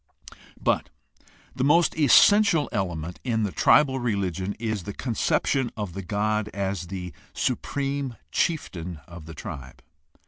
But the most essential element in the tribal religion is the conception of the god as the supreme chieftain of the tribe.